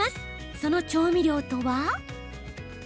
その調味料とは？